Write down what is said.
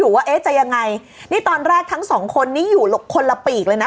ว่าเอ๊ะจะยังไงนี่ตอนแรกทั้งสองคนนี้อยู่คนละปีกเลยนะ